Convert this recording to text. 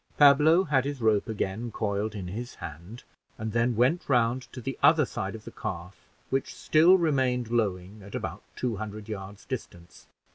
Pablo had his rope again coiled in his hand, and then went round to the other side of the calf, which still remained lowing at about two hundred yards' distance.